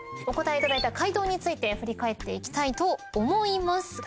お答えいただいた回答について振り返っていきたいと思います。